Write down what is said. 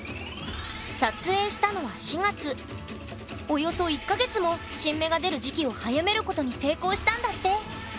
およそ１か月も新芽が出る時期を早めることに成功したんだって。